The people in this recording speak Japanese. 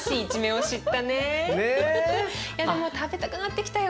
いやでも食べたくなってきたよ